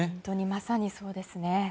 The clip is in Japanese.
まさにそうですね。